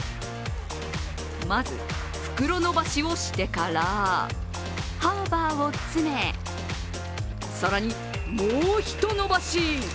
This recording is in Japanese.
まず、袋伸ばしをしてからハーバーを詰め更に、もうひと伸ばし。